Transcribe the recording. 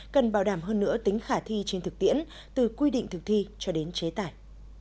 cần bảo đảm hơn nữa tính khả thi trên thực tiễn từ quy định thực thi cho đến chế tải